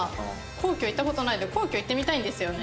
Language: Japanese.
皇居行った事ないんで皇居行ってみたいんですよね。